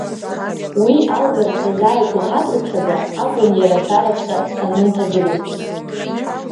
Уи алгара сазааигәахацыԥхьаӡа акәын иара ашәараҵәҟьа санынҭагылозгьы.